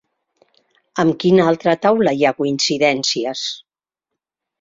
Amb quina altra taula hi ha coincidències?